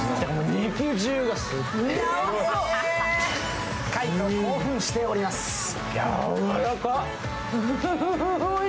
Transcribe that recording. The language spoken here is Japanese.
肉汁がすごい。